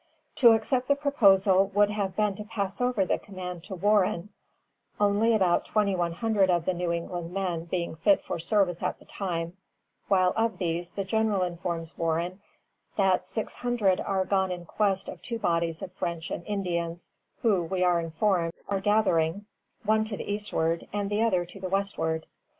_] To accept the proposal would have been to pass over the command to Warren, only about twenty one hundred of the New England men being fit for service at the time, while of these the General informs Warren that "six hundred are gone in quest of two bodies of French and Indians, who, we are informed, are gathering, one to the eastward, and the other to the westward."